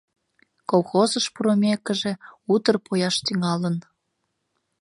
— Колхозыш пурымекыже, утыр пояш тӱҥалын.